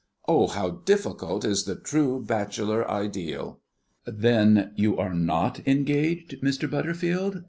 Oh, how difficult is the true Bachelor Ideal!" "Then you are not engaged, Mr. Butterfield?"